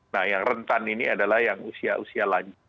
nah yang rentan ini adalah yang usia usia lanjut